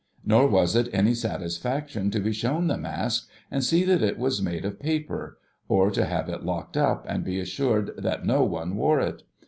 Nor was it any satisfaction to be shown the Mask, and see that it was made of paper, or to have it locked up and be assured that no one wore it.